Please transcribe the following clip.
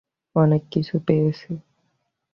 অনেক কিছু পেয়েছি।